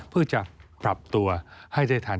เพื่อจะปรับตัวให้ได้ทัน